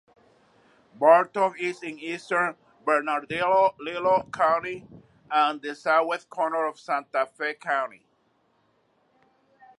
Barton is in eastern Bernalillo County and the southwest corner of Santa Fe County.